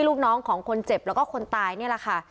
ลูกน้องของคนเจ็บแล้วก็คนตายนี่แหละค่ะ